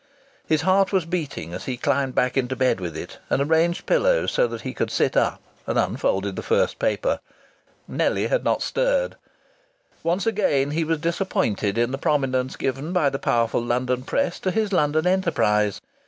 His heart was beating as he climbed back into bed with it and arranged pillows so that he could sit up, and unfolded the first paper. Nellie had not stirred. Once again he was disappointed in the prominence given by the powerful London press to his London enterprise.